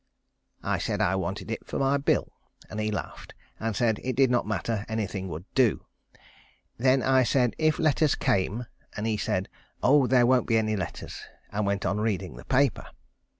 I said I wanted it for my bill; and he laughed, and said it did not matter, anything would do. Then I said, if letters came, and he said: "Oh! there won't be any letters," and went on reading the paper.